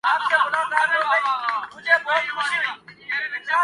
یقین رکھتا ہوں کہ کچھ بھی مکمل طور پر غلط یا صحیح نہیں ہوتا